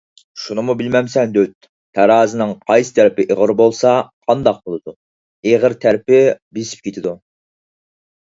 _ شۇنىمۇ بىلمەمسەن دۆت، تارازىنىڭ قايسى تەرىپى ئېغىر بولسا قانداق بولىدۇ؟ _ ئېغىر تەرىپى بېسىپ كېتىدۇ.